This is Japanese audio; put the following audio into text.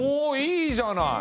いいじゃない！